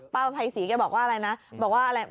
ป้าประไพศเกี่ยวบอกว่าอะไรนะบอกว่าอะไร